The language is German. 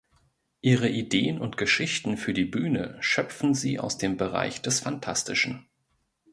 Ihre Ideen und Geschichten für die Bühne schöpfen sie aus dem Bereich des Phantastischen.